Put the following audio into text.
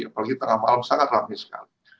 apalagi tengah malam sangat rame sekali